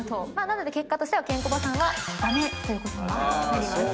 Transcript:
なので結果としてはケンコバさんは駄目ということになります。